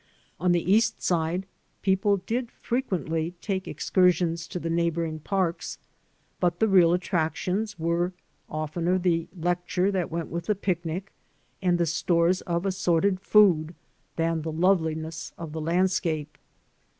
On the East Side people did frequently take excursions to the neighboring parks, but the real attractions were of tener the lecture that went with the picnic and the stores of assorted food than the loveliness of the landscape.